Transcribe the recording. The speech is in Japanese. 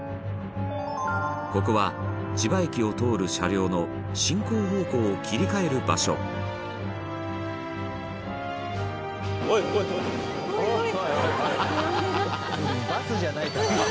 ここは、千葉駅を通る車両の進行方向を切り替える場所伊集院：何？